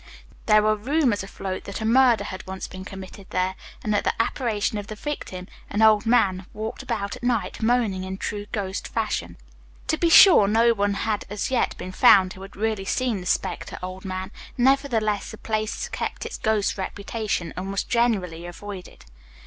There were rumors afloat that a murder had once been committed there, and that the apparition of the victim, an old man, walked about at night moaning in true ghost fashion. To be sure no one had as yet been found who had really seen the spectre old man, nevertheless the place kept its ghost reputation and was generally avoided.